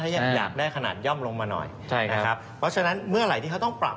ถ้าอยากอยากได้ขนาดย่อมลงมาหน่อยใช่นะครับเพราะฉะนั้นเมื่อไหร่ที่เขาต้องปรับ